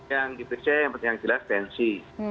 yang diperiksa yang penting yang jelas tensi